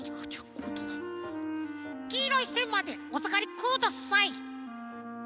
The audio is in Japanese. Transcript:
きいろいせんまでおさがりください。